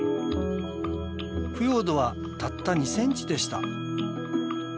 腐葉土はたった２センチでした。